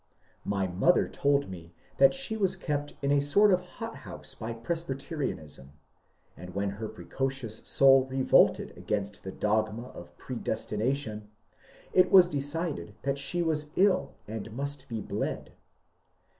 My mother told me that she was kept in a sort of hothouse of Presbyterianism ; and when her precocious soul revolted against the dogma of predestination, it was decided that she was ill and must be bled.